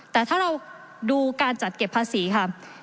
แต่ถ้าเราดูการจัดเก็บภาษีค่ะ